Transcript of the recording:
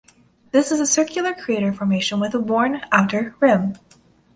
This is a circular crater formation with a worn outer rim.